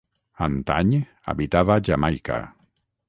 Antany habitava Jamaica.